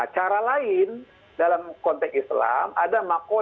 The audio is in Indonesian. nah cara lain dalam konteks islam ada maklumat